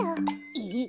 えっ。